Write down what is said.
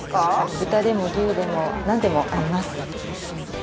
豚でも牛でもなんでも合います。